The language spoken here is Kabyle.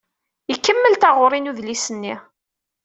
Ikemmel taɣuri n udlis-nni.